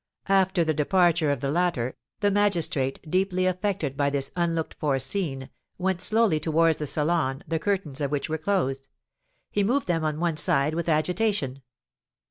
After the departure of the latter, the magistrate, deeply affected by this unlooked for scene, went slowly towards the salon, the curtains of which were closed. He moved them on one side with agitation.